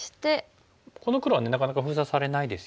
この黒はなかなか封鎖されないですよね。